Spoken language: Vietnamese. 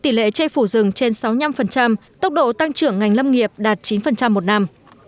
tỷ lệ che phủ rừng trên sáu mươi năm tốc độ tăng trưởng ngành lâm nghiệp đạt chín một năm